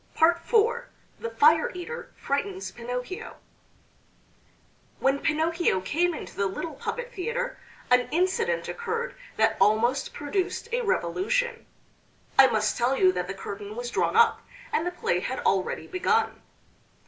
IV THE FIRE EATER FRIGHTENS PINOCCHIO When Pinocchio came into the little puppet theater, an incident occurred that almost produced a revolution. I must tell you that the curtain was drawn up, and the play had already begun.